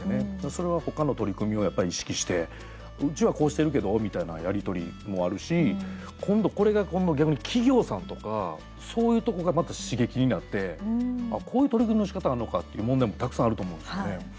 それはほかの取り組みをやっぱ意識してうちはこうしてるけどみたいなやり取りもあるし今度これが逆に企業さんとかそういうところがまた刺激になって、こういう取り組みのしかたあるのかっていう問題もたくさんあると思うんですよね。